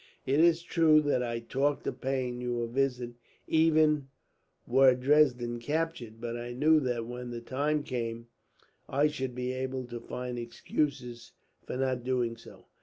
It is true that I talked of paying you a visit, even were Dresden captured; but I knew that when the time came I should be able to find excuses for not doing so.